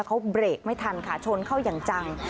เขาเบรกไม่ทันค่ะชนเข้าอย่างจัง